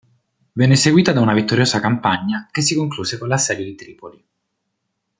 Venne seguita da una vittoriosa campagna che si concluse con l'assedio di Tripoli.